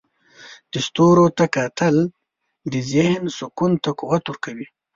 د ستورو ته کتل د ذهن سکون ته قوت ورکوي.